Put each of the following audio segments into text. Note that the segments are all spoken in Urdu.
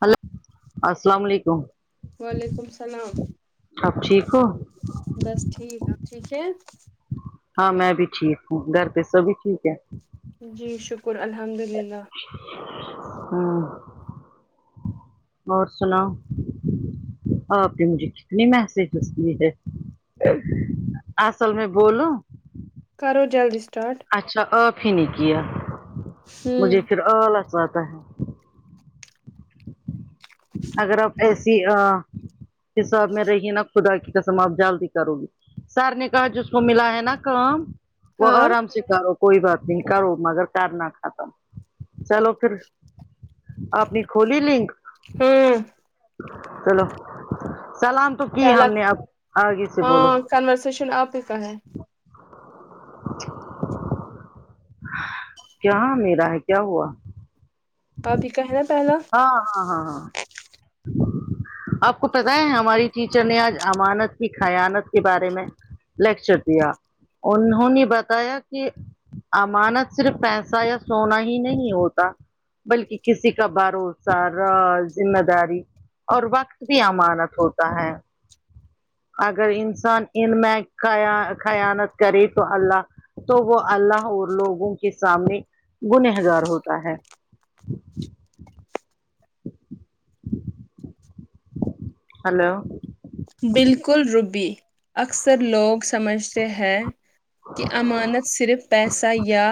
ہیلو السلام علیکم وعلیکم السلام اب ٹھیک ہو بس ٹھیک آپ ٹھیک ہے ہاں میں بھی ٹھیک ہوں گھر پہ سب بھی ٹھیک ہے جی شکر الحمد للہ ہاں اور سناؤ آپ نے مجھے کتنی محسج استی ہے اصل میں بولوں کرو جلدی سٹاٹ اچھا آف ہی نہیں کیا ہوں مجھے پھر آل اچاتا ہے اگر آپ ایسی حساب میں رہیے نا خدا کی قسم آپ جلدی کرو گی سر نے کہا جس کو ملا ہے نا کام وہ ہاں آرام سے کرو کوئی بات نہیں کرو مگر کرنا ختم چلو پھر آپنی کھولی لنک ہوں ہیلو سلام تو کی پہلا ہم نے اب آگے سے بولو ہاں کنورسیشن آپ ہی کا ہے کیا میرا ہے کیا ہوا بھابھی کا ہے نا پہلا ہاں ہاں ہاں ہاں آپ کو پتا ہے ہماری ٹیچر نے آج امانت کی خیانت کے بارے میں لیکچر دیا انہوں نے بتایا کہ امانت صرف پیسہ یا سونا ہی نہیں ہوتا بلکہ کسی کا بات بھرو سہ ر ذمہ داری اور وقت بھی امانت ہوتا ہے اگر انسان ان میں خیانت کرے تو اللہ تو وہ اللہ اور لوگوں کے سامنے گنہگار ہوتا ہے ہیلو بالکل ربی اکثر لوگ سمجھتے ہیں کہ امانت صرف پیسہ یا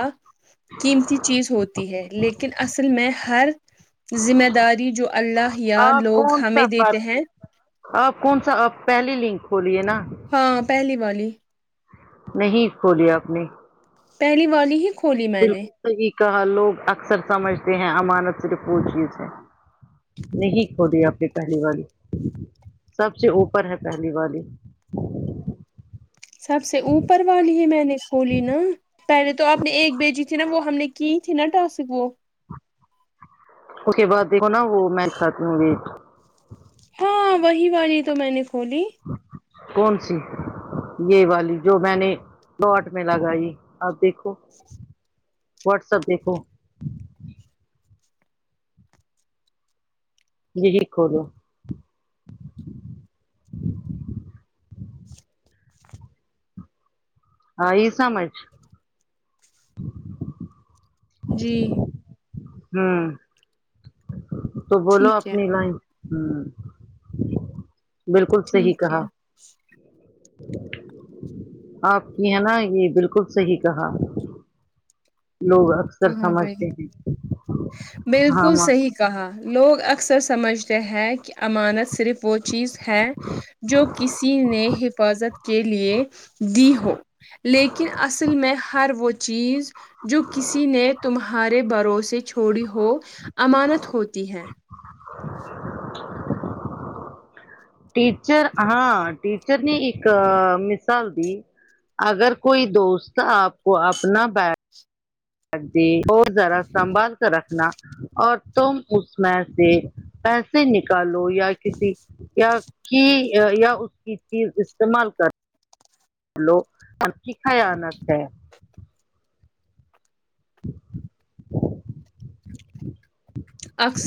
قیمتی چیز ہوتی ہے لیکن اصل میں ہر ذمہ داری جو اللہ یا آپ لوگ کون ہمیں سا دیتے بات ہیں آپ کون سا آپ پہلی لنک کھولیے نا ہاں پہلی والی نہیں کھوول آپ نے پہلی والی ہی کھولی میں نے حی کہا لوگ اکثر سمجھتے ہیں امانت صرف وہ چیز ہے نہیں کھوود اپنی پہلی والی سب سے اوپر ہے پہلی والی سب سے اوپر والی ہے میں نے کھولی نا پہلے تو اپ نے ایک بیجی تھی نا وہ ہم نے کی تھی نا ٹاسک وہ اس کے بعد دیک نا وہ میں چاہتی ہوں گی ہاں وہی والی تو میں نے کھولی کون سی یہ والی جو میں نے لوٹ میں لگائی آپ دیکھو واٹسپ دیکھو جی دیکھو جو آئی سمجھ جی ہوں تو بولو ٹھیک ہے اپنی لائن ہ بالکل صحیح ٹھیک ہے کہا آپ کی ہے نا یہ بالکل صحیح کہا لوگ اکثر کہاں گئی سمجھتے ہیں ہاں بالکل ماں صحیح کہا لوگ اکثر سمجھتے ہیں کہ امانت صرف وہ چیز ہے جو کسی نے حفاظت کے لیے دی ہو لیکن اصل میں ہر وہ چیز جو کسی نے تمہارے بھروںسے چھوڑی ہو امانت ہوتی ہے ٹیچر ہاں ٹیچر نے ایک مثال دی اگر کوئی دوست آپ کو اپنا بی اور ذرا سنبھال کر رکھنا اور تم اس میں سے پیسے نکالو یا کسی کی یا اس کی چیز استعمال کر لو اور کی خیانت ہے اکس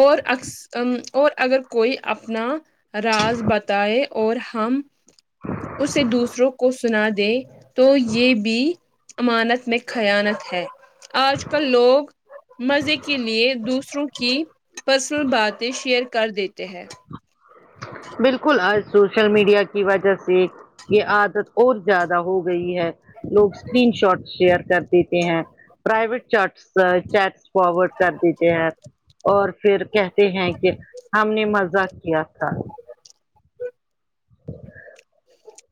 اور اکس اور اگر کوئی اپنا راز بتائے اور ہم اسے دوسروں کو سنا دے تو یہ بھی امانت میں خیانت ہے آج کل لوگ مزے کے لیے دوسروں کی پرسنل باتیں شیئر کر دیتے ہیں بالکل آج سوشل میڈیا کی وجہ سے یہ عادت اور زیادہ ہو گئی ہے لوگ اسکرین شاٹ شیئر کر دیتے ہیں پرائیویٹ چیٹس چیٹ فارورڈ کر دیتے ہیں اور پھر کہتے ہیں کہ ہم نے مزہ کیا تھا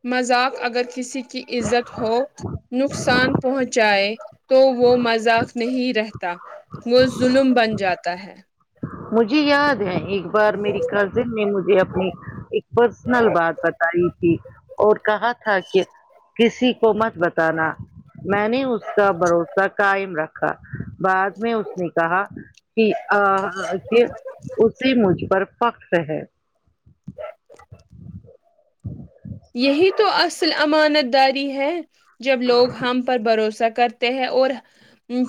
مذاق اگر کسی کی عزت ہو نقصان پہنچائے تو وہ مذاق نہیں رہتا وہ ظلم بن جاتا ہے مجھے یاد ہے ایک بار میری کزن نے مجھے اپنی ایک پرسنل بات ر تھی اور کہا تھا کہ کسی کو مت بتانا میں نے اس کا بھروسہ قائم رکھا بعد میں اس نے کہا کہ اسی مجھ پر فخر ہے اچ یہی تو اصل امانت داری ہے جب لوگ ہم پر بھروسہ کرتے ہیں اور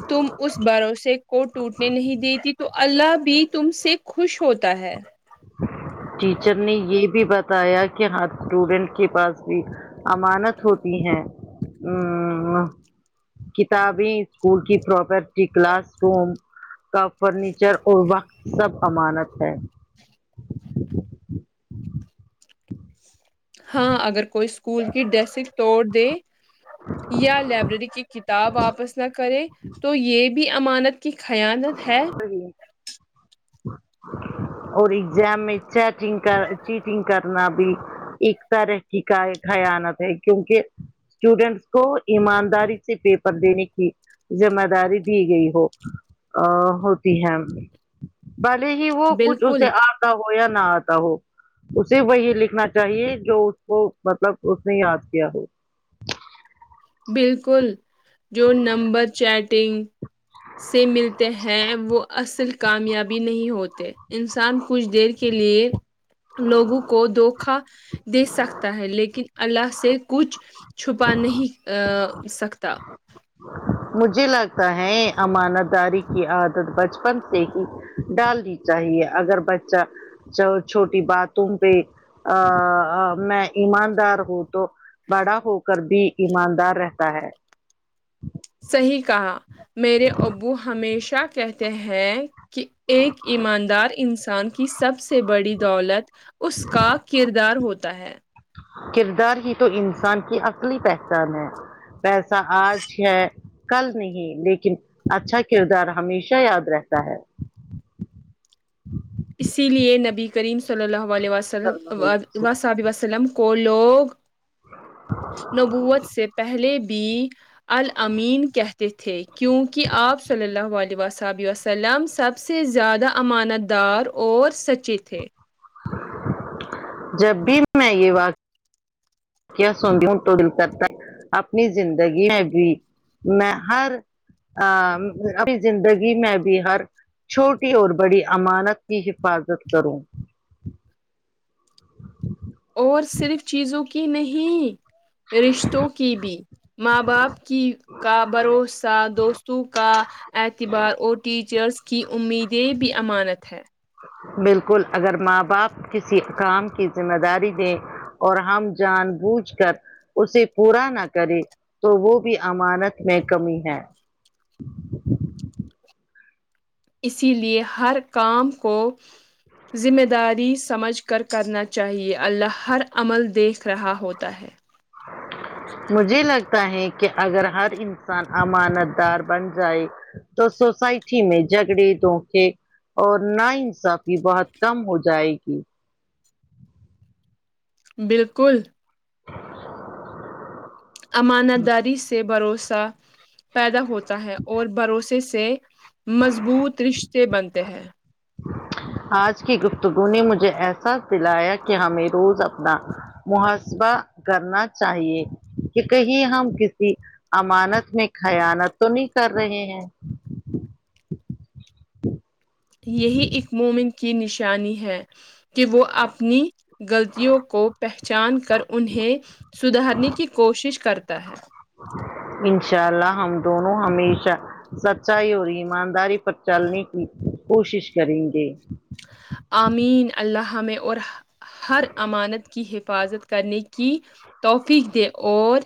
تم اس بھروسے کو ٹوٹنے نہیں دیتی تو اللہ بھی تم سے خوش ہوتا ہے ٹیچر نے یہ بھی بتایا کہ ہات اسٹوڈنٹ کے پاس بھی امانت ہوتی ہیں ہ کتابیں اسکول کی پراپرٹی کلاس روم کا فرنیچر اور وقت سب امانت ہے ہاں اگر کوئی اسکول کی ڈیسک توڑ دے یا لائبریری کی کتاب واپس نہ کریں تو یہ بھی امانت کی خیانت ہے اور ایگزام میں چیٹنگ کر چیٹنگ کرنا بھی ایک ترحی کی کا خیانت ہے کیونکہ [unintelligible] اسٹوڈنٹس کو ایمانداری سے پیپر دینے کی ذمہ داری دی گئی ہو ا ہوتی ہے بھلے ہی وہ کچھ بالکل اسے آ آتا ہو یا نہ آتا ہو اسے وہی لکھنا چاہیے جو اس کو مطلب اس نے یاد کیا ہو بالکل جو نمبر چیٹنگ سے ملتے ہیں وہ اصل کامیابی نہیں ہوتے انسان کچھ دیر کیلئے لوگوں کو دھوکا دے سکتا ہے لیکن اللہ سے کچھ چھپا نہیں ا سکتا مجھے لگتا ہے امانت داری کی عادت بچپن سے ہی ڈالنی چاہیے اگر بچہ چ چھوٹی باتو پہ ا ا میں ایماندار ہوں تو بڑا ہو کر بھی ایماندار رہتا ہے صحیح کہا میرے ابو ہمیشہ کہتے ہیں کہ ایک ایماندار انسان کی سب سے بڑی دولت اس کا کردار ہوتا ہے کردار ہی تو انسان کی اصلی پہچان ہے پیسہ آج ہے کل نہیں لیکن اچھا کردار ہمیشہ یاد رہتا ہے اسی لیے نبی کریم صلی اللہ علیہ صلی اللہ و علیہ علی وسلم۔ واصاب وسلم کو لوگ نبوت سے پہلے بھی المین کہتے تھے کیونکہ آپ صلی اللہ علیہ ہی واللہ و اصحابہ وسلم سلم سب سے زیادہ امانت دار اور سچے تھے جب بھی میں یہ واقع خیا سنتی ہو تو دل کرتا ہےاپنی زندگی میں بھی میں ہر ا اپنی زندگی میں بھی ہر چھوٹی اور بڑی امانت کی حفاظت کروں اور صرف چیزوں کی نہیں رشتوں کی بھی ماں باپ کی کا بھروسہ دوستوں کا اعتبار اور ٹیچرس کی امیدیں بھی امانت ہے بالکل اگر ماں باپ کسی کام کی ذمہ داری دیں اور ہم جان بوجھ کر اسے پورا نہ کرے تو وہ بھی امانت میں کمی ہے اسی لیے ہر کام کو ذمہ داری سمجھ کر کرنا چاہیے اللہ ہر عمل دیکھ رہا ہوتا ہے مجھے لگتا ہے کہ اگر ہر انسان امانت دار بن جائے تو سوسائٹی میں جگڑے دھونکے اور ناان انصافی بہت کم ہو جائے گی بالکل امانت داری سے بھروسہ پیدا ہوتا ہے اور بھروسے سے مضبوط رشتے بنتے ہیں آج کی گفتگو نے مجھے احساس دلایا کہ ہمیں روز اپنا محسبہ کرنا چاہیے کہ کہیں ہم کسی امانت میں خیانت تو نہیں کر رہے ہیں یہی ایک مومن کی نشانی ہے کہ وہ اپنی غلطیوں کو پہچان کر انہیں سدھارنے کی کوشش کرتا ہے انشاء اللہ ہم دونوں ہمیشہ سچائی اور ایمانداری پر چلنے کی کوشش کریں گے آمین اللہ میں اور ہر امانت کی حفاظت کرنے کی کی توفیق دے اور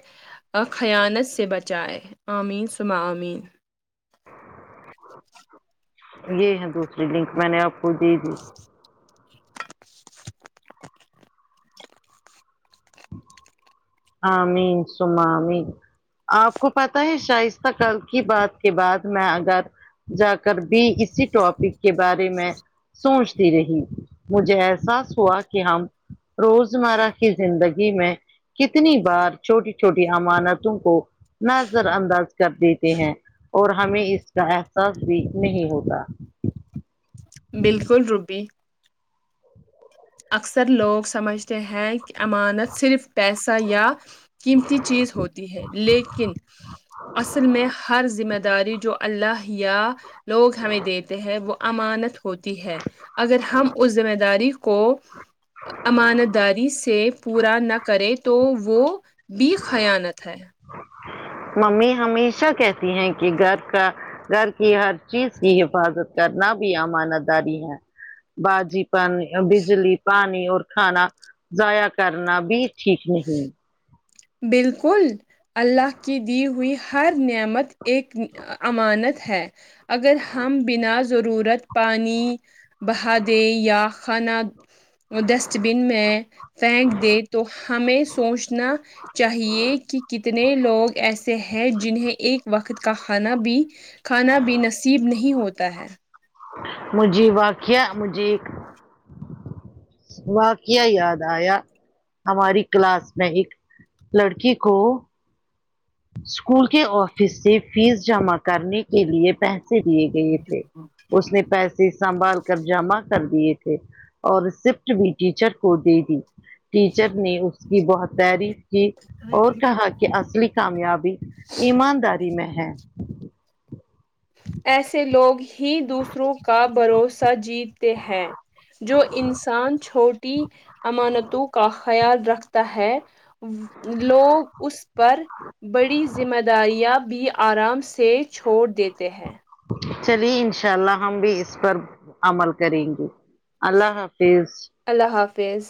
اور خیانت سے بچائے آمین سمہ امین یہ ہے دوسری لنک میں نے آپ کو دے دی آمین سمہ امین آپ کو پتاہ ہے شائستہ کل کی بات کے بعد میں اگر جا کر بھی اسی ٹاپک کے بارے میں سوچتی رہی مجھے احساس ہوا کہ ہم روزمرہ کی زندگی میں کتنی بار چھوٹی چھوٹی امانتوں کو نظر انداز کر دیتے ہیں اور ہمیں اس کا احساس بھی نہیں ہوتا بالکل روبی اکثر لوگ سمجھتے ہیں کہ امانت صرف پیسہ یا قیمتی چیز ہوتی ہے لیکن اصل میں ہر ذمہ داری جو اللہ یا لوگ ہمیں دیتے ہیں وہ امانت ہوتی ہے اگر ہم اس ذمہ داری کو امانتداری سے پورا نہ کرے تو وہ بھی خیانت ہے ممی ہمیشہ کہتی ہیں کہ گھر کا گھر کی ہر چیز کی حفاظت کرنا بھی امانت داری ہے باجی پانی بجلی پانی اور کھانا ضائع کرنا بھی ٹھیک نہیں بالکل اللہ کی دی ہوئی ہر نعمت ایک امانت ہے اگر ہم بینا ضرورت پانی بہا دے یا کھانا ڈسٹ بین میں پھینک دے تو ہمیں سوچنا چاہیے کہ کتنے لوگ ایسے ہیں جنہیں ایک وقت کا کھانا بھی کھانا بھی نصیب نہیں ہوتا ہے مجھےواقعہ مجھے ایک واقعہ یاد آیا ہماری کلاس میں ایک لڑکی کو اسکول کے آفس سے فیس جمع کرنے کے لئے پہس دیے گئے تھے اس نے پیسے سنبھال کر جمع کر دیے تھے اور رسپٹ بھی ٹیچر کو دے دی ٹیچر نے اس کی بہت تعریف کی اور کہا کہ اصلی کامیابی ایمانداری میں ہے ایسے لوگ ہی دوسروں کا بھروسہ جیتے ہیں جو انسان چھوٹ ی امانتوں کا خیال رکھتا ہے لوگ اس پر بڑی ذمہ داریاں بھی آرام سے چھوڑ دی تے ہیں چلیے انشاء اللہ ہم بھی اس پر عمل کریں گے اللہ حافظ اللہ حافظ